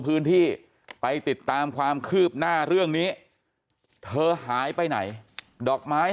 พื้นที่ไปติดตามความคืบหน้าเรื่องนี้เธอหายไปไหนดอกไม้